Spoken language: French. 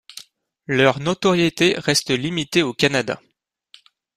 Leur notoriété reste limitée au Canada.